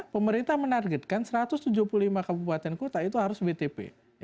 pemerintah menargetkan satu ratus tujuh puluh lima kabupaten kota itu harus wtp